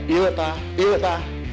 iya teh iya teh